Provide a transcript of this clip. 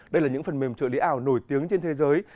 đây là những phần mềm trợ lý ảo nổi tiếng trên thế giới